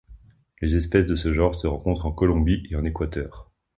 Les espèces de ce genre se rencontrent en Colombie et en Équateur.